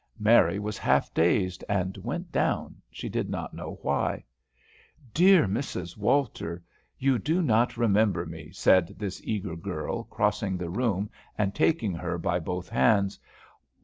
Mary was half dazed, and went down, she did not know why. "Dear Mrs. Walter, you do not remember me," said this eager girl, crossing the room and taking her by both hands.